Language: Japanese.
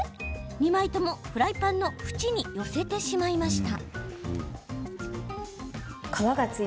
２枚ともフライパンの縁に寄せてしまいました。